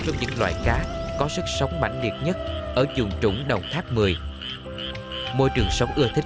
trong những loại cá có sức sống mạnh liệt nhất ở vùng trũng đồng tháp một mươi môi trường sống ưa thích